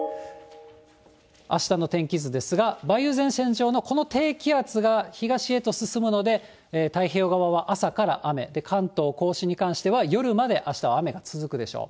あしたの天気図ですが、梅雨前線上のこの低気圧が東へと進むので、太平洋側は朝から雨、関東甲信に関しては、夜まであしたは雨が続くでしょう。